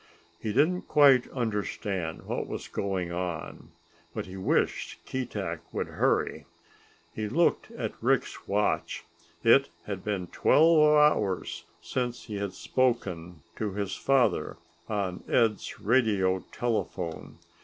He didn't quite understand what was going on, but he wished Keetack would hurry. He looked at Rick's watch. It had been twelve hours since he had spoken to his father on Ed's radio telephone.